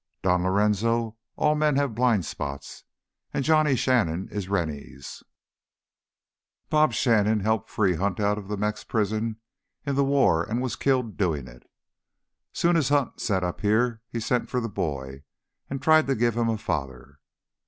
"Don Lorenzo, all men have blind spots. And Johnny Shannon is Rennie's. Bob Shannon helped free Hunt out of Mex prison in the war and was killed doing it. Soon as Hunt set up here he sent for the boy and tried to give him a father."